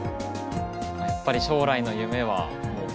やっぱり将来の夢はおお！